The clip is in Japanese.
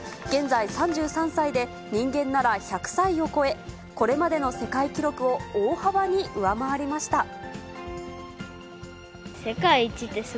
現在３３歳で、人間なら１００歳を超え、これまでの世界記録を大幅に上回りました。